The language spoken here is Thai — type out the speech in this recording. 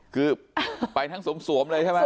คือไปทั้งสวมเลยใช่ไหม